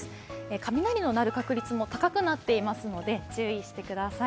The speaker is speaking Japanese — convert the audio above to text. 雷の鳴る確率も高くなっていますので注意してください。